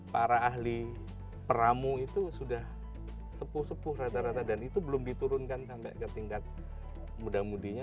para ahli peramu itu sudah sepuh sepuh rata rata dan itu belum diturunkan sampai ke tingkat muda mudinya